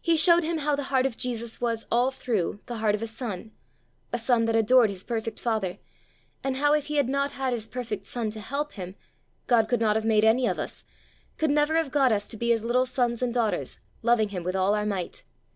He showed him how the heart of Jesus was, all through, the heart of a son, a son that adored his perfect father; and how if he had not had his perfect son to help him, God could not have made any of us, could never have got us to be his little sons and daughters, loving him with all our might.